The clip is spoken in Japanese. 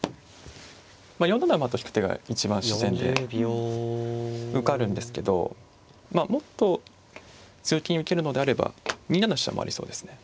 ４七馬と引く手が一番自然で受かるんですけどもっと強気に受けるのであれば２七飛車もありそうですね。